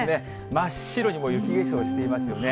真っ白にもう雪化粧していますよね。